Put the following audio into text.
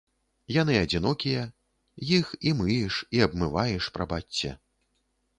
Яны адзінокія, іх і мыеш, і абмываеш, прабачце.